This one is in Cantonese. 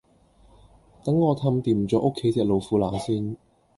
等我氹掂左屋企隻老虎乸先